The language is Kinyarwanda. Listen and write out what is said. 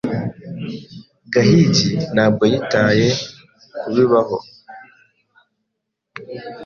Gahigi ntabwo yitaye kubibaho.